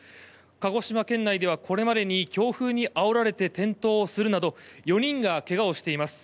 鹿児島県内ではこれまでに強風にあおられて転倒するなど４人が怪我をしています。